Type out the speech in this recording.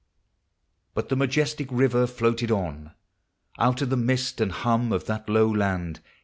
Rut the majestic river Moated on, Out of the mist and hum Of thai lOW land.